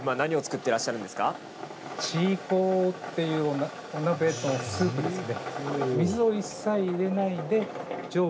汽鍋っていうお鍋のスープですね。